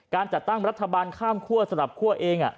การจัดตั้งรัฐบาลข้ามคั่วสลับคั่วเอง